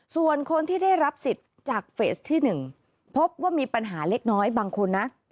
ส่วนคนที่ได้รับสิทธิ์จากเฟสที่๑พบว่ามีปัญหาเล็กน้อยบางคนนะ